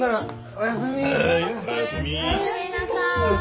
おやすみなさい。